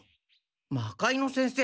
魔界之先生